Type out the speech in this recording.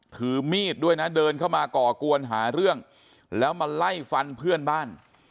ถือมีดด้วยนะเดินเข้ามาก่อกวนหาเรื่องแล้วมาไล่ฟันเพื่อนบ้าน